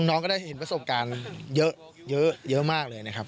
น้องก็ได้เห็นประสบการณ์เยอะมากเลยนะครับ